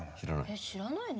えっ知らないの？